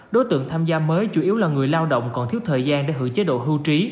đối tượng tham gia mới chủ yếu là người lao động còn thiếu thời gian để hưởng chế độ hưu trí